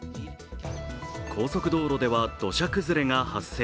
高速道路では土砂崩れが発生。